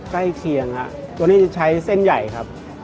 ใกล้เคียงครับตัวนี้จะใช้เส้นใหญ่ครับ